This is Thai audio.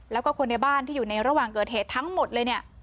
แล้วก็คนในบ้านที่อยู่ในระหว่างเกิดเหตุทั้งหมดเลยเนี่ย